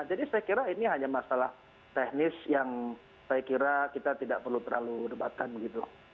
jadi saya kira ini hanya masalah teknis yang saya kira kita tidak perlu terlalu debatkan begitu